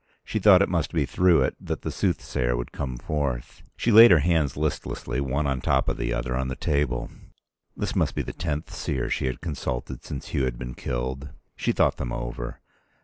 She thought it must be through it that the soothsayer would come forth. She laid her hands listlessly one on top of the other on the table. This must be the tenth seer she had consulted since Hugh had been killed. She thought them over.